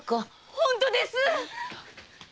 本当です！